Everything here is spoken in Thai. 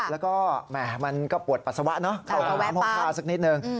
แล้วก็แหม่มันก็ปวดปัสสาวะเนาะเข้าห้องน้ำห้องท่าสักนิดนึง